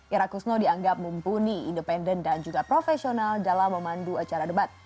ira kusno dianggap mumpuni independen dan juga profesional dalam memandu acara debat